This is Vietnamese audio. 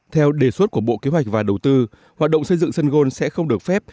theo đề xuất của bộ kế hoạch và đầu tư hoạt động xây dựng sân gôn sẽ không được phép